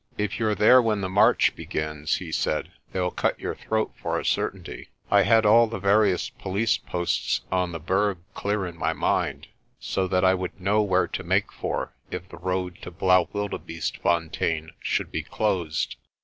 "If you're there when the march begins," he said, "they'll cut your throat for a certainty." I had all the various police posts on the Berg clear in my mind, so that I would know where to make for if the road to Blaau wildebeestefontein should be closed.